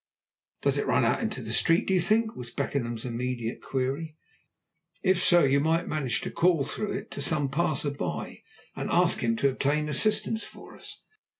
"Does it run out into the street, do you think?" was Beckenham's immediate query. "If so, you might manage to call through it to some passer by, and ask him to obtain assistance for us!"